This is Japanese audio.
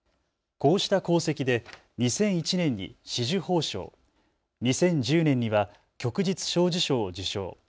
こうした功績で２００１年に紫綬褒章、２０１０年には旭日小綬章を受章。